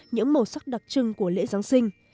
những màu sắc đặc trưng của lễ giáng sinh